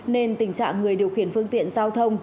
nên tình trạng người điều khiển phương tiện giao thông